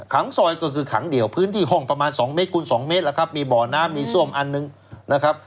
ขังซอยก็คือขังเดี่ยวพื้นที่ห่องประมาณ๒เมตรคูณ๒เมตรมีบ่อน้ำมีส้วมอันนึงนะครับ